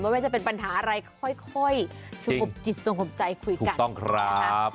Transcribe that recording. ว่าจะเป็นปัญหาอะไรค่อยสงบจิตสงบใจคุยกัน